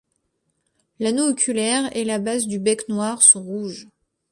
L'anneau oculaire et la base du bec noir sont rouges.